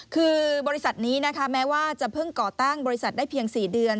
คือบริษัทนี้นะคะแม้ว่าจะเพิ่งก่อตั้งบริษัทได้เพียง๔เดือน